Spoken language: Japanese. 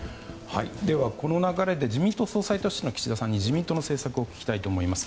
この流れで自民党総裁として岸田さんに自民党の政策を聞きたいと思います。